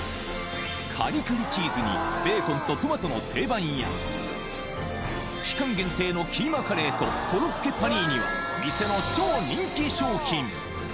カリカリチーズにベーコンとトマトの定番や、期間限定のキーマカレーとコロッケパニーニは、店の超人気商品。